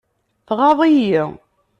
Tɣaḍ-iyi.